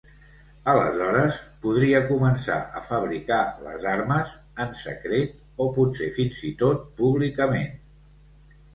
Aleshores, podria començar a fabricar les armes - en secret o potser fins i tot públicament.